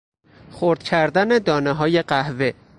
خرد کردن دانههای قهوه